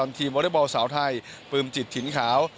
วอเตอร์บอลสาวไทยปลืมจิตถิ่นขาว